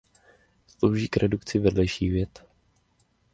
Slouží k redukci vedlejších vět.